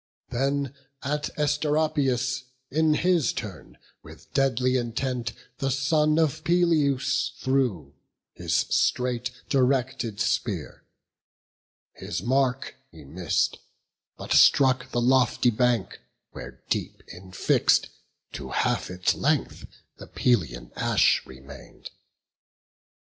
Then at Asteropaeus in his turn With deadly intent the son of Peleus threw His straight directed spear; his mark he miss'd, But struck the lofty bank, where, deep infix'd To half its length, the Pelian ash remain'd.